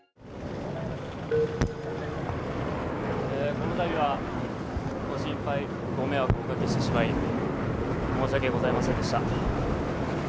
このたびはご心配、ご迷惑をおかけしてしまい、申し訳ございませんでした。